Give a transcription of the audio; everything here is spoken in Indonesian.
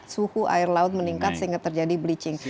suhu air laut meningkat sehingga terjadi bleaching